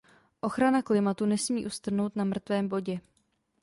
Ochrana klimatu nesmí ustrnout na mrtvém bodě.